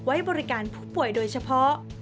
ไว้บริการผู้ป่วยโดยเฉพาะ